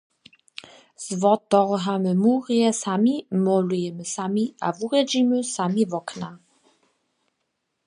Zwotorhamy murje sami, molujemy sami a wurjedźimy sami wokna.